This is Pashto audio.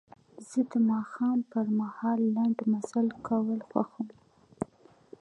زه د ماښام پر مهال لنډ مزل کول خوښوم.